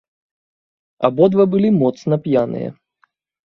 Абодва былі моцна п'яныя.